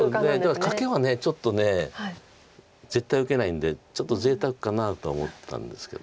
だからカケはちょっと絶対受けないんでちょっとぜいたくかなと思ったんですけど。